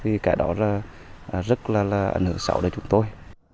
thì cái đó rất là ảnh hưởng sâu đến chúng tôi